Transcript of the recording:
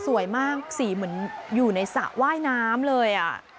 สวยมากสีเหมือนอยู่ในสระว่ายน้ำเลย